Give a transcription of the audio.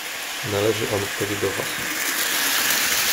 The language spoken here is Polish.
"Należy on wtedy do was."